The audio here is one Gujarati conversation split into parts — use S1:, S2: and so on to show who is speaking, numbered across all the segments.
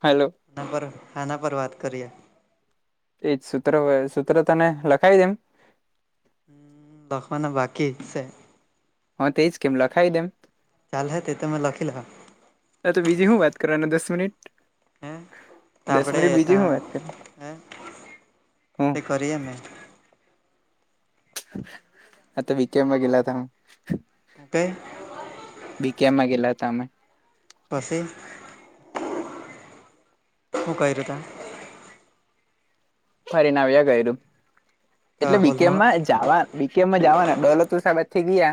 S1: હલો.
S2: [unintelligible] ખાના પર વાત કરીએ.
S1: એજ સૂત્રવે સૂત્ર તને લખાવી દેમ.
S2: અમ્મ લખવાના બાકી સે.
S1: હા તેજ કેમ લખાય દે એમ?
S2: ચાલ હે તે તો મે લખી લહો.
S1: હા તો બીજી હું વાત કરવાના દસ મિનિટ?
S2: હે તો
S1: દસ મિનિટ
S2: આપડે
S1: બીજી હું
S2: ત્યાં
S1: વાત કરું? હમ્મ.
S2: કરી અમે
S1: આ તો વિકેમાં ગયેલા તા.
S2: હું કેય?
S1: બીકેમ માં ગયેલા હતા અમે.
S2: પસી? હું કયરું તા?
S1: ફરીને આવ્યા કયરું.
S2: તા તો
S1: એટલે બીકે
S2: હોલમાં
S1: માંજ જાવા વીકેમાં જાવાના ડોલુંતુ સાહેબ થી ગયા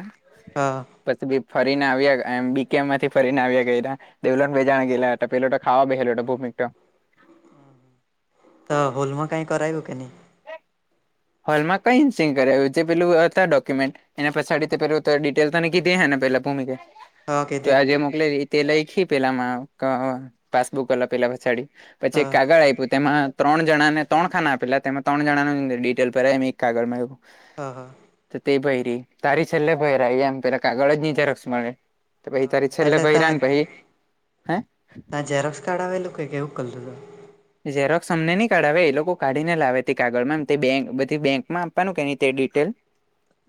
S2: હા.
S1: પછી બી ફરીને આવ્યા એમ બીકે માંથી ફરીને આવ્યા કયરા. દવલન બે જણા ગયેલા હતાં, પેલો તો ખાવા બહેલો હતો ભૌમિક તો.
S2: તો હોલમાં કાંઈ કરાવ્યું કે નહીં?
S1: હોલમાં કંઈ નસી કરાવ્યું, જે પેલું હતા ડોક્યુમેન્ટ એના પછાડી તે પેલું ત ડિટેલ તને કીધી હેને પેલા ભૌમિકએ
S2: હા
S1: તો
S2: કીધી
S1: એ આજે મોકલેલી, તે લઈખી પેલામાં ક પાસબુક વાલા પેલા પછાડી. પછી એક
S2: હા
S1: કાગળ આયપું, તેમાં ત્રણ જણાને ત્રણ ખાના આપેલા તેમાં ત્રણ જણાને ડિટ ટેલ ભરાઈમ એક કાગળમાં એ લોકો.
S2: હા, હા.
S1: તો તે ભયરી તારી છેલ્લે ભૈરા એમ, પેલા કાગળ જ નીચ રક્ષ મળે. તો પહી તારી
S2: હા
S1: છેલ્લે
S2: એટલે
S1: ભઈરા હન પહી
S2: ત જેરોક્સ કાર્ડ આવેલું કે કેવું કલું હતું.
S1: ઝેરોક્સ અમને નહી કાઢાવે એ લોકો કાઢીને લાવે ત કાગળમાં તે બેક બધી બેંકમાં આપવાનું કેની તે ડિટેલ.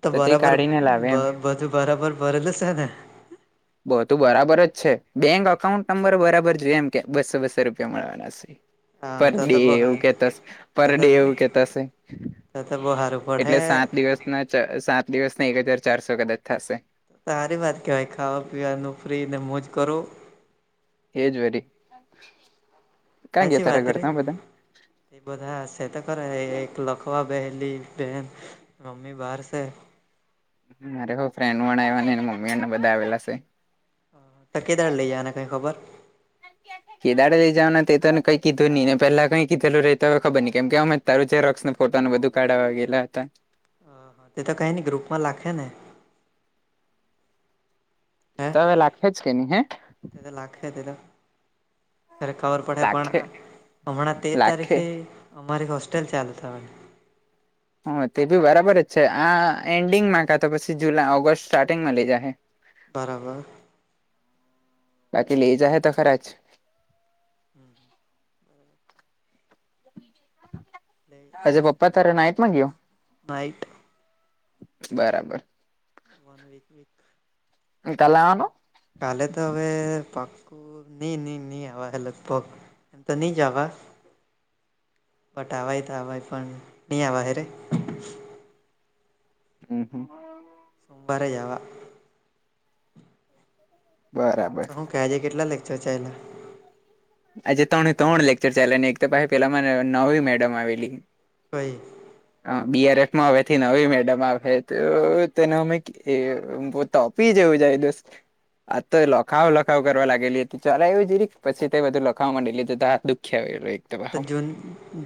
S2: તો
S1: તે
S2: બરાબર
S1: કાઢીને લાવે
S2: બ
S1: એમ
S2: બધું બરાબર ભરેલું છે ને?
S1: બહ ઘુ બરાબર જ છે બેંક અકાઉન્ટ નંબર બરાબર જુવે એમ કે બસ્સો બસો રૂપિયા મળવાના. [unintelligible]
S2: હા
S1: પર
S2: તો
S1: ડે
S2: તો બહુ
S1: એવું
S2: હારું
S1: કેતાસ, પર ડે એવું કેતા શે.
S2: તો-તો બહું હારું પડે.
S1: નચ સાત દિવસના એક હજાર ચારસો કદાચ થશે.
S2: તારી વાર કાઈ ખાવા પીવાનું ફ્રીને મોજ કરો.
S1: [unintelligible]
S2: હાચી વાત રે.
S1: ઘરના બધા
S2: એ બધા સે તો કરે એક લખવા બેહેલી મમ્મી બહાર છે.
S1: મારે ફ્રેન્ડ આવ ને મમ્મી એને બધા આવેલા છે.
S2: ત કેદાર લઈ જવાનાં કઈ ખબર?
S1: કીદાડે લઈ જવાનાને તે તો કઈ કીધું નઈ પેલા કઈ કીધેલુ રેય તો હોય ખબર નહી કેમ કે અમે તારું જેરસો ફોટો ન બધું કાઢાવા ગેલા હતા.
S2: તે તો કંઈની ગ્રુપમાં લાખે ને. હે
S1: તો હવે લાખે જ કે નહી હે.
S2: તે તો લાખે તેતો ખરે ખબર પડે પણ
S1: લાખે
S2: હ હમણાં તેર
S1: લાખે
S2: તારીખથી અમારી હોસ્ટેલ ચાલુ થવાની.
S1: હ તે બી બરાબર જ છે આ એન્ડિંગમાં કા તો પછી જુલાઈ ઓગસ્ટ સ્ટાર્ટિંગમાં લઇ જાહે.
S2: બરાબર.
S1: બાકી લે જાય તો ખરા જ.
S2: હમ.
S1: આજે પપ્પા તારે નાઈટ માં ગયો?
S2: નાઇટ.
S1: બરાબર.
S2: One week week.
S1: એ કાલે આવાનું.
S2: કાલે તો હવે પાકું. નઈ નઈ નહી આવાહે લગભગ એમ તો નઈ જ આવા. બટ આવાય તો આવાય પણ નહીં આવાય રે.
S1: હમ હમ.
S2: સોમવારે જ આવા.
S1: બરાબર.
S2: તો હું કે આજે કેટલા લેક્ચર ચાલ્યા?
S1: આજે ત્રણે ત્રણ લેક્ચર ચાયલા ને એક તો પેલા નવી મેડમ આવેલી.
S2: હોઈ
S1: હ બીઆરએફ માં હવેથી નવી મેડમ આવે તો તેને અમે. એ બો તોપી જેવું જાય દોસ. આજ તો લખાવ લખાવ કરવા લાગેલી હતી ચાલયવુ જરીક પછી. તે બધું લખવા માંડીલી તા હાથ દુખીયાવેલો એક
S2: તો જુન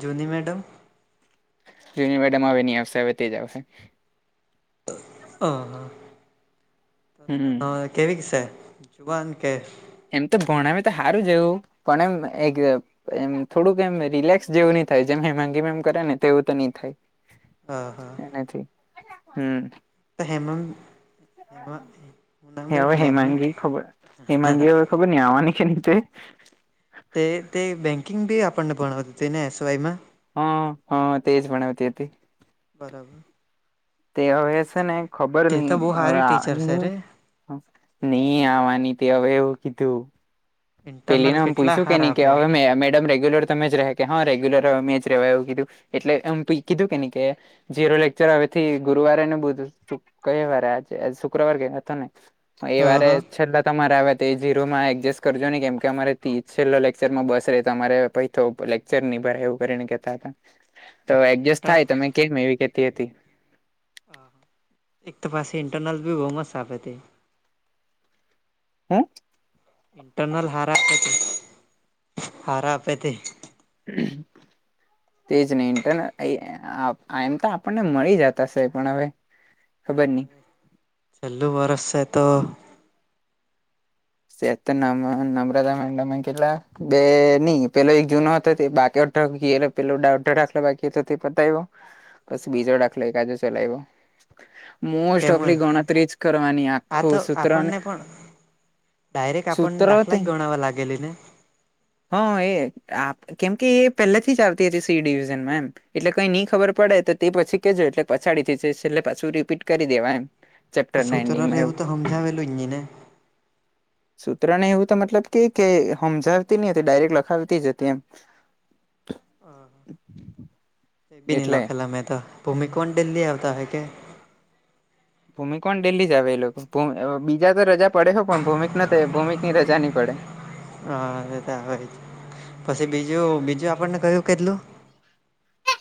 S2: જુની મેડમ.
S1: જુની મેડમ હવે ની આવશે હવે તે જ આવશે.
S2: હા
S1: હમ
S2: હા. કેવીક શે જુવાાન કે?
S1: એમ તો ભણાવે તો હારું જેવું પણ એમ એક. એમ થોડુંક એમ રિલેક્સ જેવું નહી થાય જેમ હેમાગી મેમ કરે ને તેવું તો નહી થાય.
S2: અ હા
S1: એનાથી હમ.
S2: ત હેમમ. હેમા હું નામ રેટ
S1: હવે
S2: મેમનું
S1: હેમાંગી ખબર હિમાંગી ખબર નિ આવા ની કે ની તે.
S2: તે તે બેન્કિંગ ભી આપણને ભણતી હતી ને એસવાય માં.
S1: હ હા તેજ ભણાવતી હતી.
S2: બરાબર.
S1: તે હવે છે ને
S2: જ
S1: ખબર
S2: તે તો
S1: નહી
S2: બહુ
S1: હવે
S2: હારી
S1: આ.
S2: ટીચર છે રે
S1: નહી આવાની તે હવે એવું કીધું.
S2: ઇન્ટરનલ
S1: પેલીને આમ
S2: કેટલા
S1: પૂયછું કે
S2: હાર
S1: નહી કે
S2: આપે
S1: હવે મે મેડમ રેગ્યુલર તમે જ રેહે કે હા રેગ્યુલર મેજ રેવા એવું કીધું એટલે એમ કીધું કે ની કે. જીરો લેક્ચર હવેથી ગુરુવારેને બધ. કઈ વાર આજે શુક્રવાર ગયા હતો ને. એ
S2: હ હ
S1: વારે છેલ્લા તમારે આવ જઝીરો માં એડજસ્ટ કર. ન કેમ કે અમારેથી છેલ્લા લેકચર માં બસ ર તો અમારે પ તો લેકચર ની ભરાય એવું કરીને કેતા હતા. તો
S2: અને
S1: એડજસ્ટ
S2: ઇન્ટર
S1: થાય તો મેમે કે એવી કેતી હતી.
S2: હ હા. એક તો પાસી ઇન્ટનલસ બહુ મત સાફે હતી.
S1: હ.
S2: ઇન્ટરનાલ હારા આપે તે હારા આપે તે.
S1: હમ્મ તે જ નહી ઇન્ટરને એમ તો આપણને મળી જતાશે પણ હવે. હ બ નની.
S2: ચલ્લુ વર્ષે તો.
S1: સે તો નમ્રતા માં કેટલા બે નહી પેલો એક જૂનો હતો બાકી. પે ડાક બાકી તો પતાયવુ બસ બીજો દાખલો એક કાજો ચલાવ્યો. મોસ્ટ
S2: કેમ
S1: ઓફ
S2: આ
S1: ગણતરી જ કરવાની આખું
S2: તો
S1: સૂત્ર ને.
S2: આપણને પણ ડાયરેક્ટ આપણ દાખલા જ ગોણાવવા લાગેલ ને.
S1: હ એ કેમકે એ પહેલાથી જ આવતી હતી સી ડિવિઝનમાં એમ. એટલે કઈ નઈ ખબર પડે તો તે પછી કેજો એટલે પછાડી થી જ એટલે પાછું રીપીટ કરી દેવા એમ.
S2: તો
S1: ચેપ્ટરના
S2: સુત્ર
S1: એન્ડિંગમાં એવું
S2: રહેવું તો સમજાવેલું જ ની ને
S1: સૂત્ર ને એવું તો મતલબ કે કે સમજાવતી ની હતી ડાયરેક્ટ લખાવતી જ હતી એમ.
S2: હ એક બી ની
S1: એટલે
S2: લખેલા મેં તો ભૂમિ કોણ દિલ્લી આવતા હોય કે.
S1: ભૂમિકોન દિલ્હી જ આવે એ લોકો બીજા તો રજા પડે હ પણ ભૂમિક ભૂમિકની રજા ની પડે.
S2: હા તો આવે પસી બીજું બીજું આપણને કયું કિધલું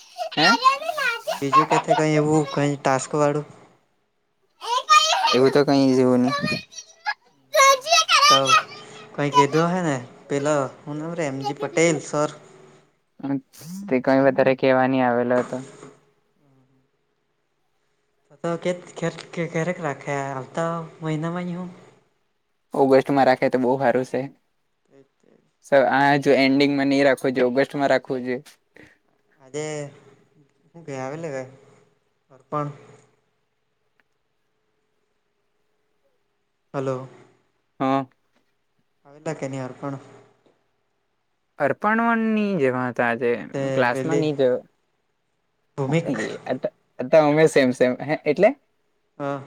S1: હે
S2: બીજું કથે કઈ એવું કઈ ટાસ્ક વાળું.
S1: એવું તો કઈ ઈ જ જોયું ની
S2: તો કઈ કહેધું હ ને પેલો હું નામ રે એમજી પટેલ સર.
S1: તે કઈ વધારે કેવા ની આવેલો હતો.
S2: તો કે ખ ખેરેક રાખે આવતા મહિનામાં હું.
S1: ઓગસ્ટ માં રાખે તો બોહ સારું શે
S2: [inaudible]
S1: સર આ જો એન્ડિંગમાં ની રાખવું જોયે ઓગસ્ટમાં રાખવું જોઈ એ
S2: આજે હુ કે આવેલો કે તર્પણ. હલો.
S1: હઅ
S2: આવેલા કે ની આરપણ
S1: અર્પણ વન ની જે વા તો આજે
S2: ને તે
S1: ક્લાસમાં
S2: પેલી
S1: નહી જોયુ
S2: ભૂમિક
S1: [unintelligible] આતો અમે સેમ સેમ હે એટલે.
S2: હ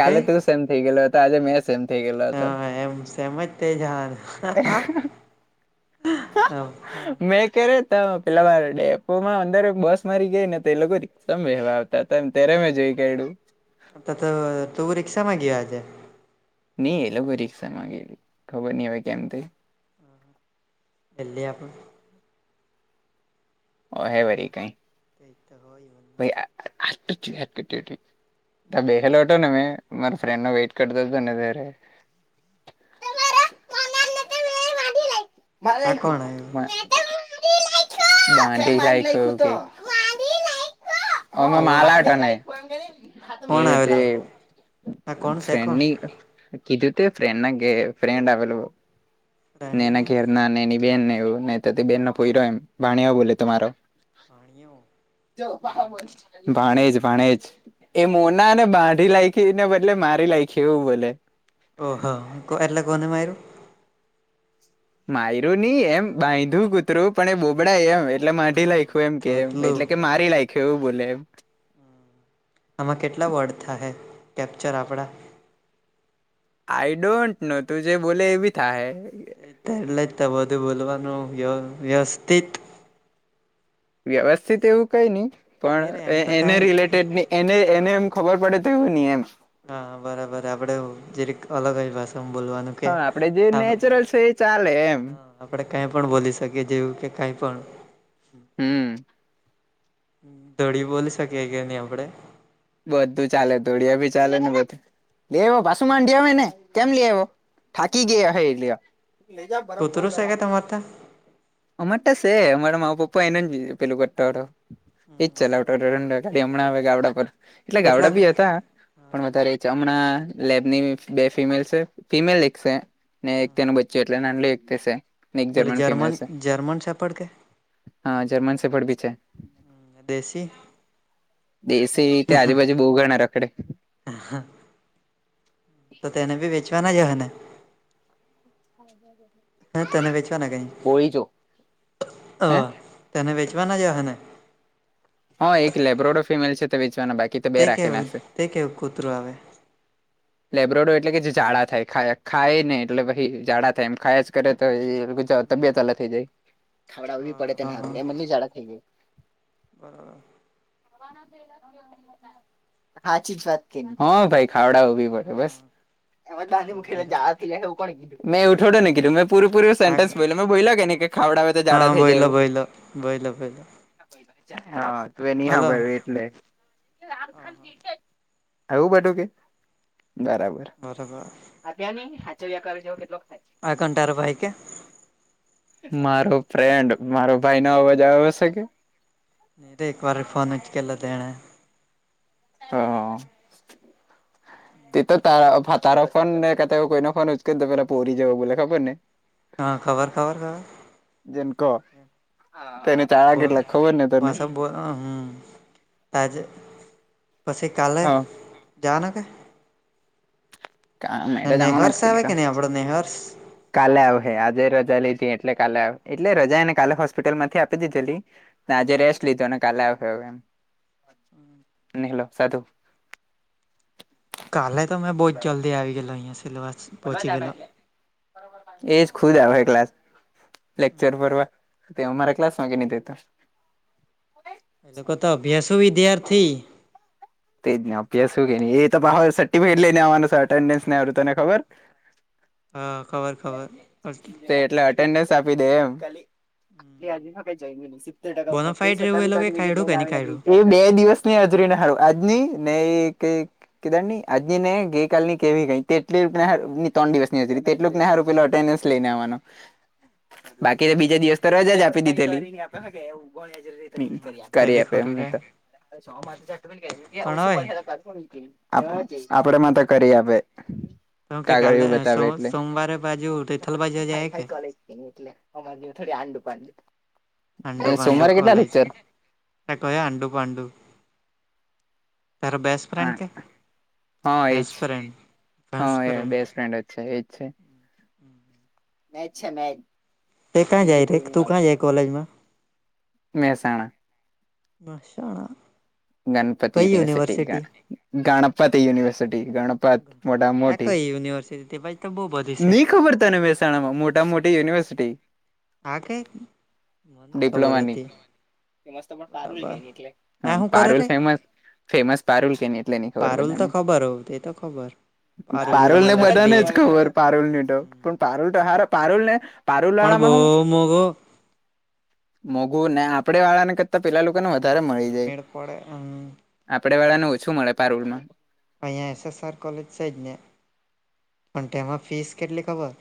S1: કાલે તું સેમ થઈ ગયલો હતો આજે મેં સેમ. થઈ ગયેલો
S2: હ
S1: હતો.
S2: એમ સેમજ થઈ જવાનુ હ હા હ હા.
S1: મેં કર્યા ત પેલા વા ડેપો માં અંદર બસ મારી ગઈ ને તો એ લોકો એકદમ વવાતા. ત તમ ત્યારે મે જોઈ કયાડ્યું
S2: અ તો તું રિક્ષા મા ગીયો આજે.
S1: ની એ લોકો રિક્ષા માં ગયીલા ખબર ની હવે કેમ તે
S2: [unintelligible]
S1: અહે વરી
S2: [unintelligible]
S1: ત બહેલો હતો ને મેં ફ્રેડ ના વેઇટ કરતા ત ને ત્યારે. મારા
S2: આ
S1: આઈખું.
S2: કોણ આવ્યું
S1: [inaudible]
S2: ઓ
S1: [unintelligible]
S2: કોણ
S1: એતે
S2: આવેલું આ કોણ છે કોણ
S1: ફ્રેન્ડની. કીધું તે ફ્રેન્ડ ના ગે ફ્રેન્ડ આવેલું. ને એના ઘેર
S2: ભાણિયો
S1: ના એની બેહેન ને એવું ન તો બેનનો પોઈરો એમ ભાણી બોલે તમારો. ભાણેજ ભાણેજ. એ મોના ને બાઢી લાયકીને બદલે મારી લાયકી એવું બોલે.
S2: ઓહા કો એલા કોને માઈરૂ.
S1: માયરું નહી એમ બાંધંધું કૂતરું પણ એ બોબડા એમ. એટલે માડી નાઈખું એમ
S2: તો
S1: કેમ
S2: એટલું
S1: એટલે કે મારી લાયક એવું બોલે એમ.
S2: આમાં કેટલા વર્ડ થશે કેપ્ચર આપણા?
S1: આઈ ડોન્ટ નો તું જે બોલે એવી થાય હે.
S2: એ તો એટલે બધું બોલવાનું વ્ય વ્યવસ્થિત.
S1: વ્યવસ્થિત એવું કઈ નહી
S2: નહી રે એમ તો
S1: પણ એને
S2: કાઈ
S1: રિલેટેડ ની. એને એને એમ ખબર પડે તો એવું નહી એમ.
S2: હા બરાબર આપડે જેરેક અલગ ભાષામાં બોલવાનું. કે
S1: હા આપડે જે નેચરલ છે એ ચાલે એમ.
S2: આપણે કઈ પણ બોલી શકીએ જેવું કે કઈ પણ
S1: હમ
S2: ધડી બોલી શકીએ કે નહી આપડે.
S1: બધું ચાલે ધોડિયા ભી ચાલે ને બધું લે એવો પાસુ માંઢિયા આવે ને કેમ લે આવો? થાકી ગયા હ એટ લઈ જા
S2: કૂતરું
S1: બરાબર
S2: શે કે તમાર તા
S1: અમાર તો છે અમારા મા પપ્પા એનો પેલું કરળો એજ ચલાવ. ગાડી હમણાં આવે ગડા પર એટલે
S2: કેટલા
S1: ગાવડા બી હતા. પણ વધારે જ હમણાં લેબની બે ફિમેલ છે ફિમેલ એક છે. ને એક તેનું બચ્ચું એટલે નાનલી એક તે છે. ને એક
S2: પહેલે
S1: ફિમેલ
S2: જર્મન
S1: છે
S2: જર્મન [unintelligible] કે.
S1: હા જર્મન સેફડ બી છેે.
S2: દેશી.
S1: તે આજુબાજુ બહુ ગનાર આખે.
S2: તો તેને ભી વેચવાના જ હને.
S1: [inaudible]
S2: હ તેને વેચવાના કઈ
S1: બોળી જો હે
S2: તેને વેચવાના જ હેને.
S1: હ એક લેબ્રોડો ફિમેલ છે તે વેચવાના બાકી. તો
S2: તે
S1: બે રાખેલા
S2: કેહેવું
S1: છે
S2: તે કેહેવું કૂતરું આવે.
S1: લેબ્રોડો એટલે કે ઝડા થાય ખાય ને એટલે પછ ઝડા થાય એમ ખાયા જ કરે તો. તબિયત અલગ થઈ જાય ખાવડાવવી
S2: હા
S1: પડેને
S2: હા
S1: સારું
S2: હા
S1: એમ જડા થઈ જાય.
S2: [unintelligible]
S1: [unintelligible] હા ચી વાત હ ભાઈ ખાવડા એવું
S2: હા તેવું જ રે
S1: કીધું મેં એવું થોડે ને કીધું મે. પૂર પૂર સેન્ટન્સ બો મે બોલાે ને કે ખાવડાવે તો
S2: હા
S1: જાડા થઈ જાય
S2: બોઈલો
S1: એવ.
S2: બોઈલો બોઈલો બોઈલો
S1: હા તું એની હા
S2: હલો
S1: ભાઈ.
S2: હા હા
S1: એવું બધું કે બરાબર.
S2: બરાબર.
S1: આભ્યા ન હાચર્યા કર જેવો કેટલોક થાય છે.
S2: આ કન્ટારો ભાઈ કે.
S1: મારો ફ્રેન્ડ મારો ભાઈ ન અવાજ આવ હશે કે.
S2: નં તો એક બારી ફોન કે લતેના.
S1: હા. તે તો તાર તારફન ને કે કોઈના ફ ઉચ કરી દ પલા પહરી જ બ ખબર નહી.
S2: હા ખબર ખબર ખબર.
S1: જેનકો તેને. ચાળા
S2: બો
S1: કેટલા ખબર ને તને
S2: હસ બો હમ તાજે. પછી કાલલે
S1: હા
S2: જાવાના કે.
S1: કા મેં તો જવાનો જ
S2: નેહર્ષ
S1: ની
S2: આવે
S1: તો
S2: કે નહી આપડો નનેહર્સ.
S1: કાલે આવ હે આજે રજા લીધી એટલે કાલે આવે એટલે રજા એને કાલે હોસ્પિટલ માંથી આપી દીલી. આજે રેસ્ટ લીધો ને કાલે આવ્યોવ એમ.
S2: હમ.
S1: હેલો સાધુ.
S2: કાલે તો મેમે બહુ જલ્દી આવી ગેલો અહિયાયા સિલવાસ.
S1: બલ
S2: પહોંચી ગયેલો
S1: એજ ખુદ આવે ક્લાસ. લેક્ચર ભરવા તો મારા ક્લાસ માં કે ન થતો.
S2: એ લોકો તો અભ્યાસો વિધ્યાર્થી.
S1: તે જ ન અભ્યા શું કે નને એ તો બ સર્ટિફિકેટ લઈને આવવાનો છે અટેન્ડન્સ ને આવું તને ખબર.
S2: હા ખબર ખબર હસ.
S1: એન્ડસ આપી દે એમ. એ આજે ફક્ત જોઈ સ્તેર ટકા ઉપર તે
S2: બોનોફાઈટ રહેવું એ
S1: સતાવીસ
S2: લોકો કાઢ્યું કે
S1: ટકીનીટને
S2: નહી કાઢ્યું
S1: લ. બે દિવસ ની હાજરી ના હારું આજની ને એ કઈ. કેદાર નની આજ ને ગઈ કલની કેવી કઈ તેટલી ત્રણ દિવસ ની હતી. કેટલુંકનેૂ પેલો અટેન્ડન્સ લઈ ને આવવાનો બાકી તો બીજા દિવસ તો રજા જ આપી દીધેલી. એવ
S2: તે
S1: કરી
S2: બી
S1: આપે
S2: ખરું
S1: એમને
S2: કે
S1: તો. મા ચ ગ
S2: પણ
S1: ઓછી
S2: હોય
S1: બલા ક. આપડે તો કરી આપે.
S2: હ કે કાલે સ સોમવારે બાજુ હો.
S1: ફાઈ ફાઈલેજ એટલે અમારી થોડી આંડુ ઉપાડ.
S2: હંડું પાંડું કોલેજ. એકો હંડું પાંડું તારો બેસ.
S1: હ હા એજ
S2: ફ્રેન્ડ
S1: હ એ બેસ્ટ ફ્રેન્ડ જ છે એજ છે. મેચછા મેચ.
S2: તે ક્યાં જાય રે તું ક્યાં જાય કોલેજમાં.
S1: મહેસાણા.
S2: મશણા.
S1: ગણપતિ યનિવર્સિટી ગ ગણપતિ યનિવર્સિટી ગણપ. મોટા
S2: આ
S1: મોટી
S2: કઈ યુનિવર્સિટી તે બાજુ તો બહુ બધી છે
S1: નની ખબર તને મે. માં મોટા મોટી યુનિવર્સિટી.
S2: આા કઈ મનેની ખબર
S1: ડિપ્લોમાની
S2: હતી બરાબર હું.
S1: પારૂલ ફેમસ ફેમસ પારૂલ કે એટલેની ખબર
S2: પારુલ તો
S1: બધાને.
S2: ખબર હોવ તે તો ખબર પારુલ
S1: પારોલ ને બધાને
S2: યુનિવર્સિટી એ
S1: જ ખબર પારોલ ની તો
S2: હમ
S1: પણ પારોલ તો હાર પારોલ ને. પારુલ
S2: પણ બહુ
S1: વાળામાં હું
S2: મોઘો
S1: મોઘું ને આપડે વાળા ને કરતા પેલા લોકોને વધ
S2: નહીં મેળ પડે હમ
S1: આપડે વાળાને ઓછું મળે પારૂલમાં.
S2: અહીંયા એસએસઆર કોલેજ છે જ ને પણ તેમાં ફીસ કેટલી ખબર.